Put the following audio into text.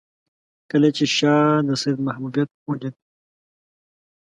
کله چې شاه د سید محبوبیت ولید.